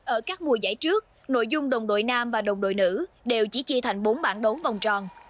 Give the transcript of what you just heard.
ở các mùa giải trước nội dung đồng đội nam và đồng đội nữ đều chỉ chia thành bốn bảng đấu vòng tròn